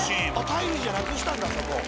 タイルじゃなくしたんだそこ。